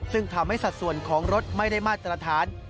ซึ่งทำให้สัดส่วนของรถไม่ได้มาตรฐาน